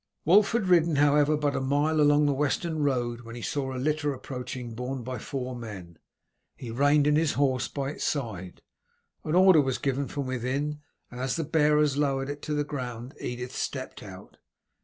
Wulf had ridden, however, but a mile along the western road when he saw a litter approaching borne by four men. He reined in his horse by its side. An order was given from within, and as the bearers lowered it to the ground Edith stepped out.